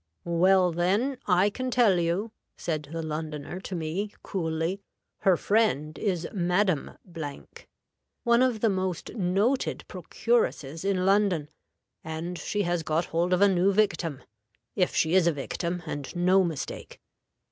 'Well, then, I can tell you,' said the Londoner to me, coolly, 'her friend is Madam , one of the most noted procuresses in London, and she has got hold of a new victim, if she is a victim, and no mistake.'